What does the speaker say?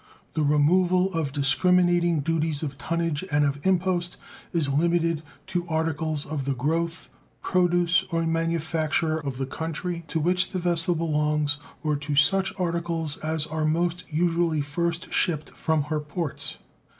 The removal of discriminating duties of tonnage and of impost is limited to articles of the growth, produce, or manufacture of the country to which the vessel belongs or to such articles as are most usually first shipped from her ports.